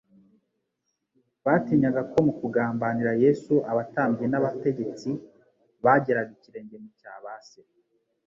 Batinyaga ko mu kugambanira Yesu, abatambyi n’abategetsi bageraga ikirenge mu cya ba se,